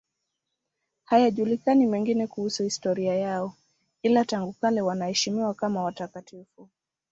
Hayajulikani mengine kuhusu historia yao, ila tangu kale wanaheshimiwa kama watakatifu.